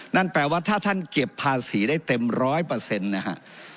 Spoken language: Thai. นั่นแปลว่าถ้าท่านเก็บภาษีได้เต็มร้อยเปอร์เซ็นต์นะฮะ